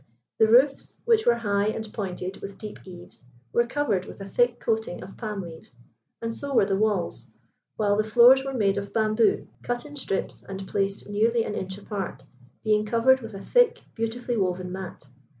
The roofs, which were high and pointed with deep eaves, were covered with a thick coating of palm leaves, and so were the walls, while the floors were made of bamboo cut in strips and placed nearly an inch apart, being covered with a thick, beautifully woven mat.